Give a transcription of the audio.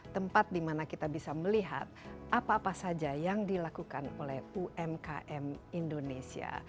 tempat dimana kita bisa melihat apa apa saja yang dilakukan oleh umkm indonesia